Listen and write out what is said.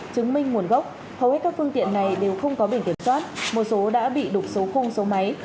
không có nguồn gốc hầu hết các phương tiện này đều không có bình kiểm soát một số đã bị đục số khung số máy